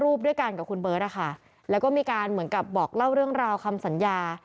ด้วยกันกับคุณเบิร์ตนะคะแล้วก็มีการเหมือนกับบอกเล่าเรื่องราวคำสัญญา